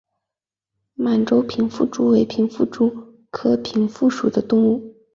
满洲平腹蛛为平腹蛛科平腹蛛属的动物。